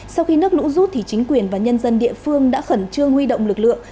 sau khi nước lũ rút chính quyền và nhân dân địa phương đã khẩn trương huy động lực lượng